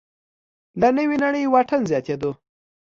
له نوې نړۍ واټن زیاتېدو